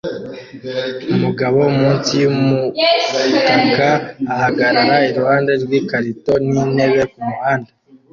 Umugabo munsi yumutaka ahagarara iruhande rwikarito nintebe kumuhanda